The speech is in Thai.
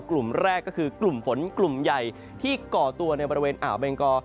กลุ่มแรกก็คือกลุ่มฝนกลุ่มใหญ่ที่ก่อตัวในบริเวณอ่าวเบงกอ